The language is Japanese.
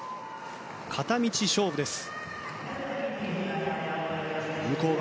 片道勝負です。